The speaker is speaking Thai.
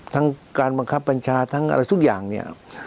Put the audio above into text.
ทั้งการบังคับบัญชาทั้งอะไรทุกอย่างเนี่ย